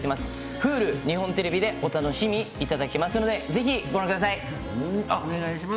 ｈｕｌｕ、日本テレビでお楽しみいただけますので、ぜひご覧くだお願いします。